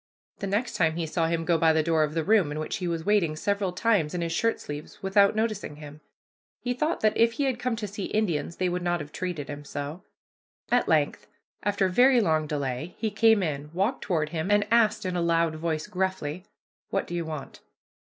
The next time he saw him go by the door of the room in which he was waiting several times, in his shirt sleeves, without noticing him. He thought that if he had come to see Indians they would not have treated him so. At length, after very long delay, he came in, walked toward him, and asked in a loud voice, gruffly, "What do you want?"